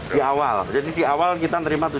di awal jadi di awal kita nerima tujuh juta